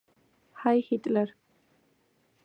ჰაი ჰიტლერ